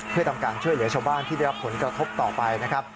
เพื่อทำการช่วยเหลือชาวบ้านที่ได้รับผลกระทบต่อไปนะครับ